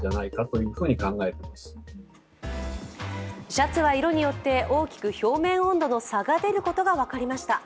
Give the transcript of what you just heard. シャツは色によって大きく表面温度の差が出ることが分かりました。